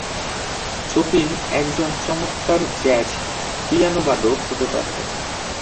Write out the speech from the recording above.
Chopin একজন চমৎকার jazz পিয়ানোবাদক হতে পারতেন।